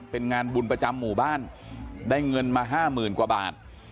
เป็นงานบุญประจำหมู่บ้านได้เงินมา๕๐๐๐กว่าบาท